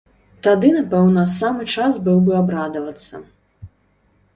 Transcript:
Тады, напэўна, самы час быў бы абрадавацца!